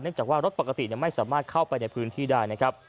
เนื่องจากว่ารถปกติไม่สามารถเข้าไปในพื้นที่ได้